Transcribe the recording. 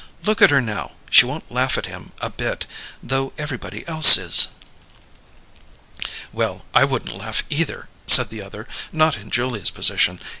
"Look at her now: she won't laugh at him a bit, though everybody else is." "Well, I wouldn't laugh either," said the other. "Not in Julia's position.